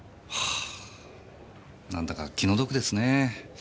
はぁ何だか気の毒ですねぇ。